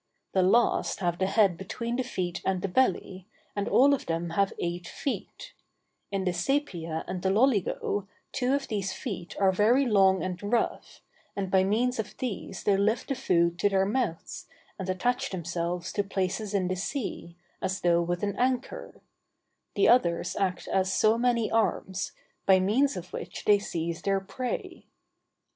The last have the head between the feet and the belly, and all of them have eight feet: in the sæpia and the loligo two of these feet are very long and rough, and by means of these they lift the food to their mouths, and attach themselves to places in the sea, as though with an anchor; the others act as so many arms, by means of which they seize their prey.